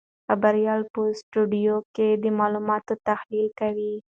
خبریال په سټوډیو کې د معلوماتو تحلیل کوي.